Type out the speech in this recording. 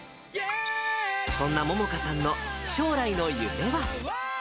そんな杏果さんの将来の夢は。